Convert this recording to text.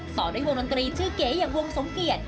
ต่อด้วยวงดนตรีชื่อเก๋อย่างวงสมเกียจ